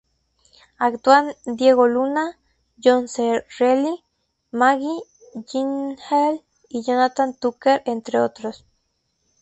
Actúan: Diego Luna, John C. Reilly, Maggie Gyllenhaal y Jonathan Tucker, entre otros.